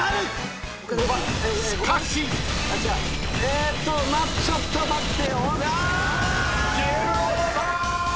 ［しかし］えーっとちょっと待ってよ。